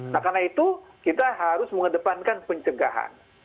nah karena itu kita harus mengedepankan pencegahan